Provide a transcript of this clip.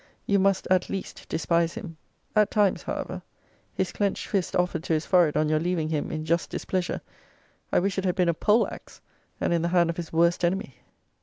You must, at least, despise him; at times, however. His clenched fist offered to his forehead on your leaving him in just displeasure I wish it had been a pole axe, and in the hand of his worst enemy.